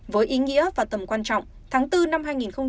với ý nghĩa và tầm quan trọng tháng bốn năm hai nghìn một mươi ba